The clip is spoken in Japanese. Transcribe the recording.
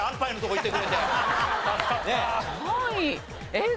えっ？